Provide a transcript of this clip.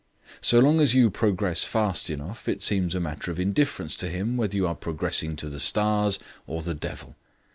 So long as you progress fast enough it seems a matter of indifference to him whether you are progressing to the stars or the devil.